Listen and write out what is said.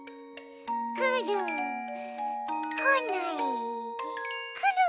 くるこないくる！